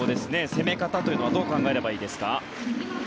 攻め方というのはどう考えればいいですか。